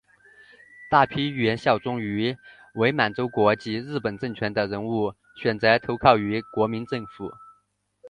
大批原效忠于伪满洲国及日本政权的人物选择投靠于国民政府。